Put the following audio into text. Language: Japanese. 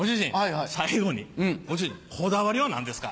最後にご主人こだわりは何ですか？